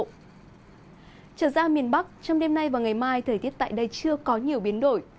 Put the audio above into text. trở ra miền bắc trong đêm nay và ngày mai thời tiết tại đây chưa có nhiều biến đổi